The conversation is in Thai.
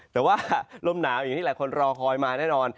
แต่ว่าลมหนาวอย่างที่หลายคนรอคอยมาแน่นอน